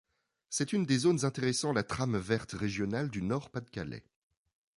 C'est une des zones intéressant la Trame verte régionale du Nord-Pas-de-Calais.